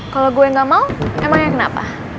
kalau gue nggak mau emangnya kenapa